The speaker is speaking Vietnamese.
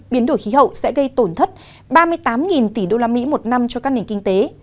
biến đổi khí hậu sẽ gây tổn thất ba mươi tám tỷ usd một năm cho các nền kinh tế